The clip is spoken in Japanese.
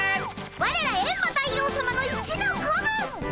ワレらエンマ大王さまの一の子分！